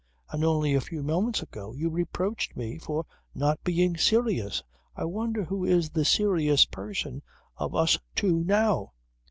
And only a few moments ago you reproached me for not being serious. I wonder who is the serious person of us two now."